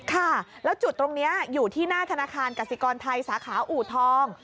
ค่ะแล้วจุดตรงนี้อยู่ที่หน้าธนาคารกสิกรไทยสาขาอูทอง